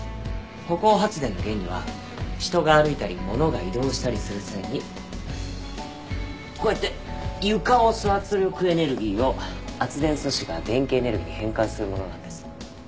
歩行発電の原理は人が歩いたりものが移動したりする際にこうやって床を押す圧力エネルギーを圧電素子が電気エネルギーに変換するものなんです。